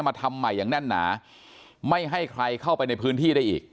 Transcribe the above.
ทำใหม่อย่างแน่นหนาไม่ให้ใครเข้าไปในพื้นที่ได้อีก